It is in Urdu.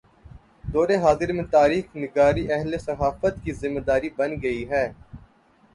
دور حاضر میں تاریخ نگاری اہل صحافت کی ذمہ داری بن گئی ہے۔